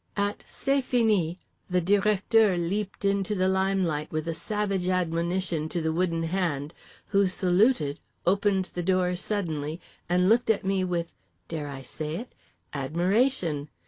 At "C'est fini" the Directeur leaped into the limelight with a savage admonition to the Wooden Hand—who saluted, opened the door suddenly, and looked at me with (dare I say it?) admiration.